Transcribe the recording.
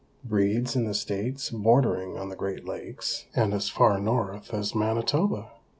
Breeds in the states bordering on the Great Lakes and as far north as Manitoba.